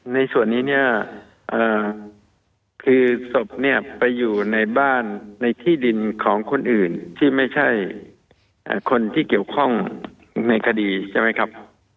ในส่วนนี้เนี่ยคือศพเนี่ยไปอยู่ในบ้านในที่ดินของคนอื่นที่ไม่ใช่คนที่เกี่ยวข้องในคดีใช่ไหมครับ